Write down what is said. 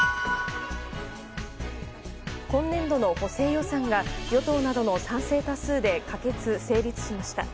今年度の補正予算が与党などの賛成多数で可決・成立しました。